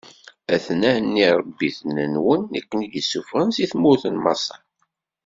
A-ten-an iṛebbiten-nwen i ken-id-issufɣen si tmurt n Maṣer.